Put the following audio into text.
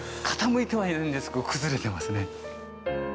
傾いてはいないんですが、崩れてますね。